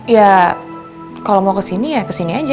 ya kalau mau kesini ya kesini aja